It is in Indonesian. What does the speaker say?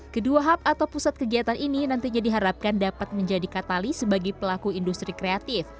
kedua hub atau pusat kegiatan ini nantinya diharapkan dapat menjadi katali sebagai pelaku industri kreatif